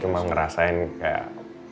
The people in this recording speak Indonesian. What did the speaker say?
ya aku cuma ngerasain kayak